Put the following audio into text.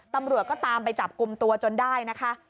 ตำรวจก็ตามไปจับกลุ่มตัวจนได้นะคะ